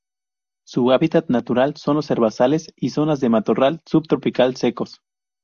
Su hábitat natural son los herbazales y zonas de matorral subtropical secos.